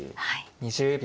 ２０秒。